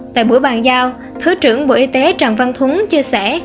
tại bữa bàn giao thứ trưởng bộ y tế tràng văn thúng chia sẻ